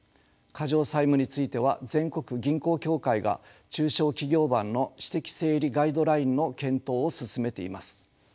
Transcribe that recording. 過剰債務については全国銀行協会が中小企業版の私的整理ガイドラインの検討を進めています。